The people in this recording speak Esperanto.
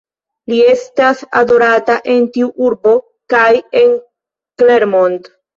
Li estas adorata en tiu urbo kaj en Clermont.